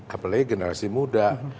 apalagi generasi muda